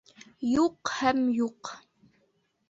Юҡ һәм юҡ.